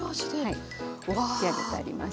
仕上げてあります。